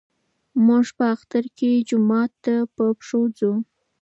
موږ په اختر کې جومات ته په پښو ځو.